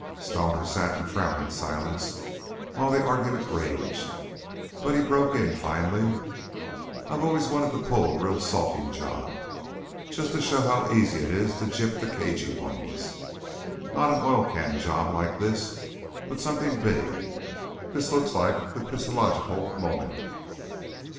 Stoner sat in frowning silence while the argument raged, but he broke in finally: "I've always wanted to pull a real salting job, just to show how easy it is to gyp the cagy ones not an oil can job like this, but something big. This looks like the piscological moment."